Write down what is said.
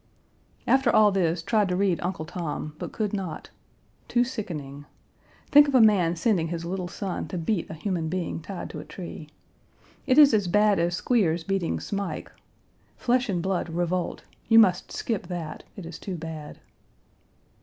After all this, tried to read Uncle Tom, but could not; too sickening; think of a man sending his little son to beat a human being tied to a tree. It is as bad as Squeers beating Smike. Flesh and blood revolt; you must skip that; it is too bad.